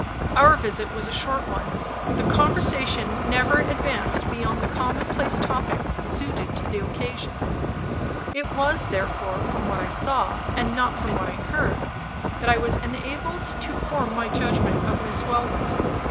Our visit was a short one. The conversation never advanced beyond the commonplace topics suited to the occasion. It was, therefore, from what I saw, and not from what I heard, that I was enabled to form my judgment of Miss Welwyn.